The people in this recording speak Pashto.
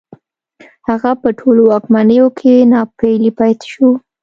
هغه په ټولو واکمنیو کې ناپېیلی پاتې شو